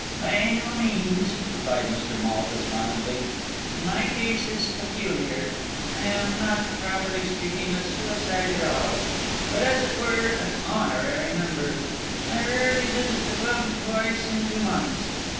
"By no means," replied Mr. Malthus mildly. "My case is peculiar. I am not, properly speaking, a suicide at all; but, as it were, an honorary member. I rarely visit the club twice in two months.